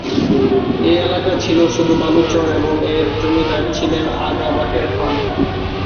এ এলাকা ছিল শুধু বালুচর এবং এর জমিদার ছিলেন আগা বাকের খান।